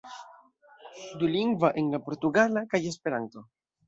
Dulingva, en la portugala kaj Esperanto.